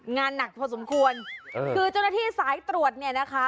งานหนักพอสมควรคือเจ้าหน้าที่สายตรวจเนี่ยนะคะ